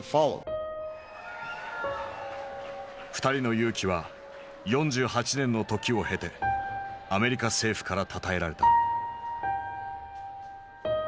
２人の勇気は４８年の時を経てアメリカ政府からたたえられた。